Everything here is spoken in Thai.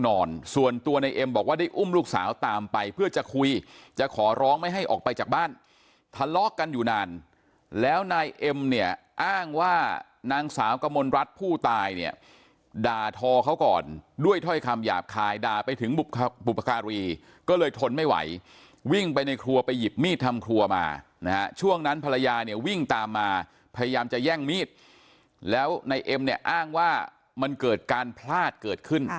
ส่วนตัวในเอ็มบอกว่าได้อุ้มลูกสาวตามไปเพื่อจะคุยจะขอร้องไม่ให้ออกไปจากบ้านทะเลาะกันอยู่นานแล้วนายเอ็มเนี่ยอ้างว่านางสาวกมลรัฐผู้ตายเนี่ยด่าทอเขาก่อนด้วยถ้อยคำหยาบคายด่าไปถึงบุปการีก็เลยทนไม่ไหววิ่งไปในครัวไปหยิบมีดทำครัวมานะฮะช่วงนั้นภรรยาเนี่ยวิ่งตามมาพยายามจะแย่งมีดแล้วนายเอ็มเนี่ยอ้างว่ามันเกิดการพลาดเกิดขึ้น